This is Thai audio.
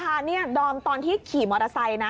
เนี่ยดอมตอนที่ขี่มอเตอร์ไซค์นะ